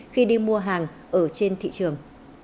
khi đi mua hàng ở trên thị trường